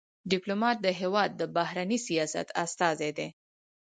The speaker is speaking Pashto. ډيپلومات د هېواد د بهرني سیاست استازی دی.